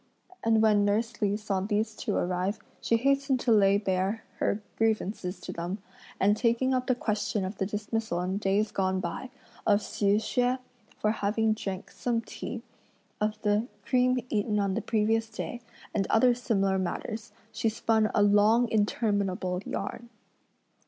And when nurse Li saw these two arrive, she hastened to lay bare her grievances to them; and taking up the question of the dismissal in days gone by, of Hsi Hsüeh, for having drunk some tea, of the cream eaten on the previous day, and other similar matters, she spun a long, interminable yarn.